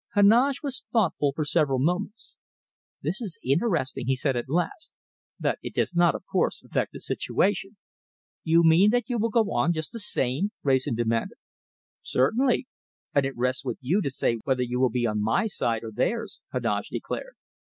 Heneage was thoughtful for several moments. "This is interesting," he said at last, "but it does not, of course, affect the situation." "You mean that you will go on just the same?" Wrayson demanded. "Certainly! And it rests with you to say whether you will be on my side or theirs," Heneage declared.